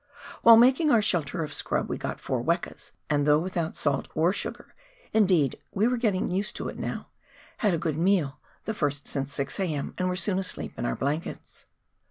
While making our shelter of scrub we got four wekas, and though without salt or sugar — indeed, we were getting used to it now — we had a good meal, the first since 6 a.m., and were soon asleep in our blankets.